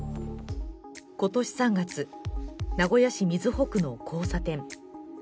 今年３月、名古屋市瑞穂区の交差点。